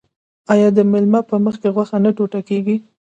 آیا د میلمه په مخکې غوښه نه ټوټه کیږي؟